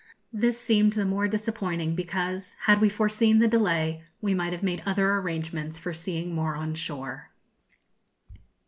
This seemed the more disappointing, because, had we foreseen the delay, we might have made other arrangements for seeing more on shore.